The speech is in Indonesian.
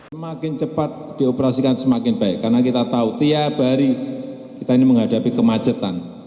semakin cepat dioperasikan semakin baik karena kita tahu tiap hari kita ini menghadapi kemacetan